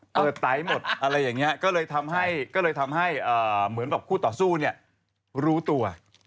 เปิดไตหมดอะไรอย่างนี้ก็เลยทำให้เหมือนแบบคู่ต่อสู้รู้ตัว